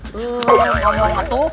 kamu tidak mau nafsu